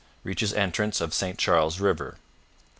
Reaches entrance of St Charles River.